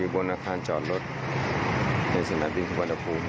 สนามบิลซัวนภูมิ